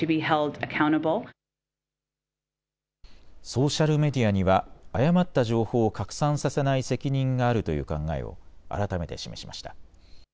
ソーシャルメディアには誤った情報を拡散させない責任があるという考えを改めて示しました。